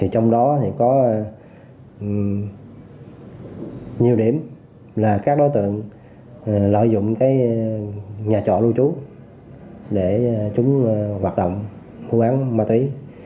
trong đó có nhiều điểm là các đối tượng lợi dụng nhà chọn lưu trú để chúng hoạt động hữu án ma túy